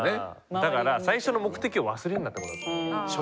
だから最初の目的を忘れるなってことだと思う。